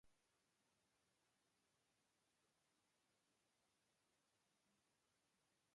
Међутим, горе поменуту опсервацију морамо поближе да објаснимо.